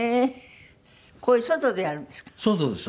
こういう外でやるんですか？